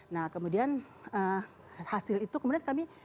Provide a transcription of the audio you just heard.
nah kemudian hasil itu kemudian kami